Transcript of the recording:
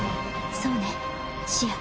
そうねシア。